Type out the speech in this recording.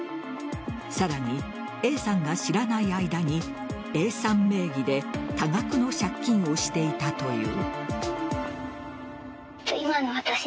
さらに、Ａさんが知らない間にＡさん名義で多額の借金をしていたという。